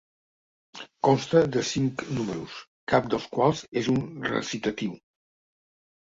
Consta de cinc números, cap dels quals és un recitatiu.